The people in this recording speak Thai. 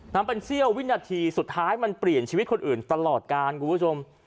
นำเป็นเสี้ยววินาทีสุดท้ายมันเปลี่ยนชีวิตคนอื่นตลอดการคุณผู้ชม